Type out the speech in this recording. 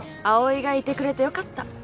葵がいてくれてよかった。